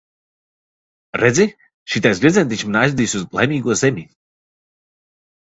Redzi, šitais gredzentiņš mani aizvedīs uz Laimīgo zemi.